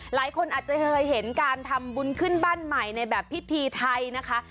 หลายคนอาจจะเคยเห็นการทำบุญขึ้นบ้านใหม่ในแบบพิธีไทยนะคะ